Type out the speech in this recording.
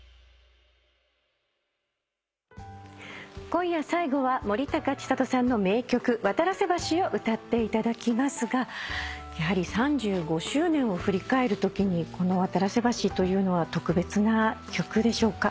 今夜最後は森高千里さんの名曲『渡良瀬橋』を歌っていただきますがやはり３５周年を振り返るときにこの『渡良瀬橋』というのは特別な曲でしょうか？